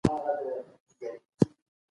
حقایق ممکن د خامو تجربو پراساس احرار سي.